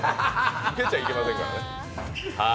ウケちゃいけませんからね。